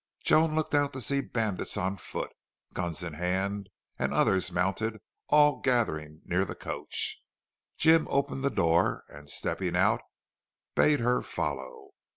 Joan looked out to see bandits on foot, guns in hand, and others mounted, all gathering near the coach. Jim opened the door, and, stepping out, bade her follow.